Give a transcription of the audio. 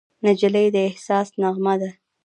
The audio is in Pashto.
نجلۍ د احساس نغمه ده.